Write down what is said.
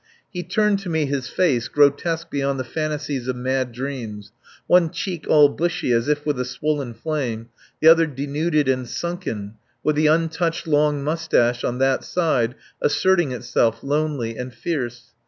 He turned to me his face grotesque beyond the fantasies of mad dreams, one cheek all bushy as if with a swollen flame, the other denuded and sunken, with the untouched long moustache on that side asserting itself, lonely and fierce.